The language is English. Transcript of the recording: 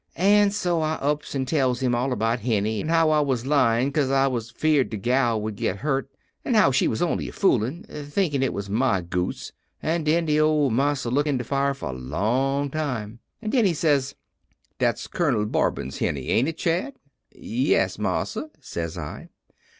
An' so I ups an' tells him all about Henny, an' how I was lyin' 'case I was 'feared de gal would git hurt, an' how she was on'y a foolin', thinkin' it was my goose; an' den de ole marsa look in de fire for a long time, an' den he says: "'Dat's Colonel Barbour's Henny, ain't it, Chad?' "'Yes, marsa,' says I.